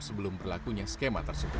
sebelum berlakunya skema tersebut